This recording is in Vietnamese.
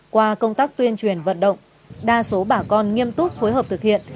qua công tác tuyên truyền vận động đa số bà con nghiêm túc phối hợp thực hiện